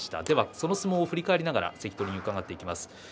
その相撲を振り返りながら関取に伺っていきます。